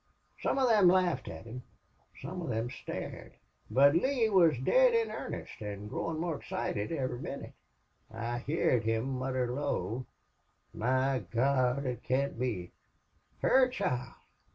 "Some of thim laughed at him some of thim stared. But Lee wuz dead in earnest an' growin' more excited ivery min nit. I heerd him mutter low: 'My Gawd! it can't be! Her child!...